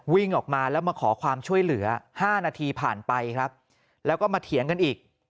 วิ่งออกมาแล้วมาขอความช่วยเหลือ๕นาทีผ่านไปครับแล้วก็มาเถียงกันอีก